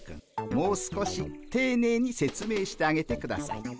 もう少していねいに説明してあげてください。